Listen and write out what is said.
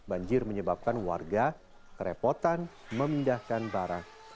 banjir menyebabkan warga kerepotan memindahkan barang